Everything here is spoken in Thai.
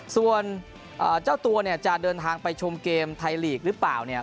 ส่วนเจ้าตัวเนี่ยจะเดินทางไปชมเกมไทยลีกหรือเปล่าเนี่ย